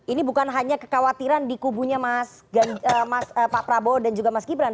ini bukan hanya kekhawatiran di kubunya pak prabowo dan juga mas gibran